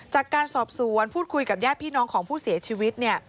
จากการสอบสวนพูดคุยกับญาติพี่น้องของผู้เสียชีวิตเนี่ย